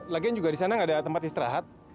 lagian juga di sana nggak ada tempat istirahat